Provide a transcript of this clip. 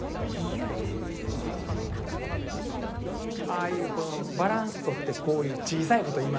ああいうバランスとってこういう小さいこと言いますよ。